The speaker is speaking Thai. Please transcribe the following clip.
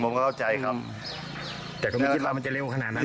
เข้าใจครับแต่ก็ไม่คิดว่ามันจะเร็วขนาดนั้น